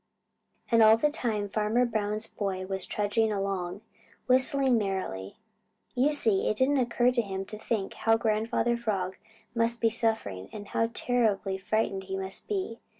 And all the time Farmer Brown's boy was trudging along, whistling merrily. You see, it didn't occur to him to think how Grandfather Frog must be suffering and how terribly frightened he must be.